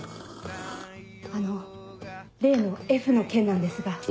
あの例のＦの件なんですが。